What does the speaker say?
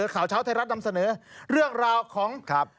ข่าวเช้าไทยรัฐนำเสนอเรื่องราวของ